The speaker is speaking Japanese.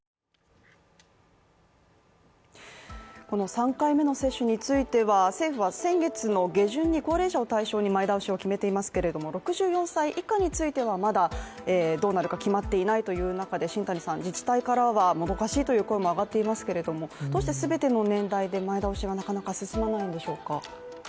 この３回目の接種については政府は先月の下旬に高齢者を対象に前倒しを決めていますけれども６４歳以下についてはまだどうなるか決まっていないという中で新谷さん自治体からはもどかしいという声も上がっていますけれども、どうして全ての年代で前倒しはなかなか進まないんでしょうか？